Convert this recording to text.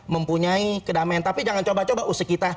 mempunyai kedamaian tapi jangan coba coba use kita